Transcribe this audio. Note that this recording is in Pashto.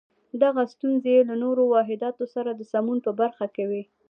دغه ستونزې یې له نورو واحداتو سره د سمون په برخه کې وې.